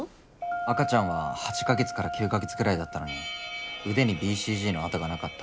赤ちゃんは８か月から９か月くらいだったのに腕にＢＣＧの痕がなかった。